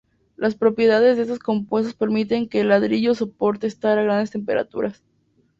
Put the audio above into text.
Las propiedades de estos compuestos permiten que el ladrillo soporte estar a grandes temperaturas.